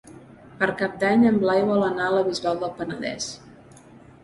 Per Cap d'Any en Blai vol anar a la Bisbal del Penedès.